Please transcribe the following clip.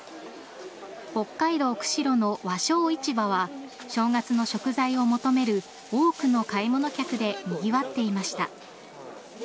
北海道釧路の和商市場は正月の食材を求める多くの買い物客でにぎわっていました。